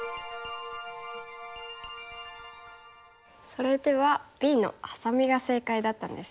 それではＢのハサミが正解だったんですね。